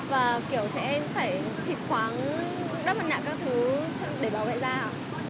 và kiểu sẽ phải xịt khoáng đắp mặt nhạc các thứ để bảo vệ da ạ